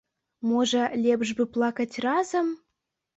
Можа, лепш бы плакаць разам?